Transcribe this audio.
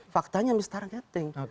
faktanya mis targeting